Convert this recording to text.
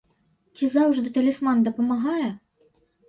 Ці заўжды талісман дапамагае?